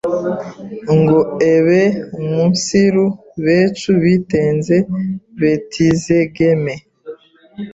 ngo ebeumunsiru becu bitenze betizegeme”.